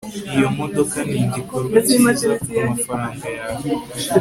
Iyo modoka nigikorwa cyiza kumafaranga yawe